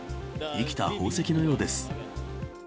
生きた宝石のようです。